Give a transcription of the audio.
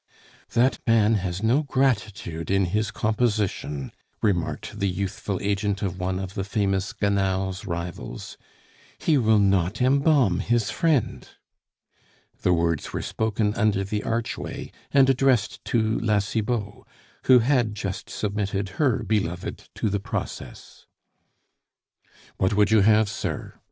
"That man has no gratitude in his composition," remarked the youthful agent of one of the famous Gannal's rivals; "he will not embalm his friend." The words were spoken under the archway, and addressed to La Cibot, who had just submitted her beloved to the process. "What would you have, sir!"